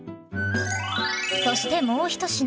そしてもう一品。